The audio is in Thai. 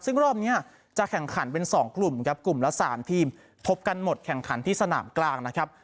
ซึ่งรอบนี้จะแข่งขันเป็น๒กลุ่มครับกลุ่มละ๓ทีมพบกันหมดแข่งขันที่สนามกลางนะครับ